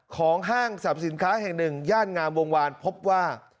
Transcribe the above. ห้างสรรพสินค้าแห่งหนึ่งย่านงามวงวานพบว่า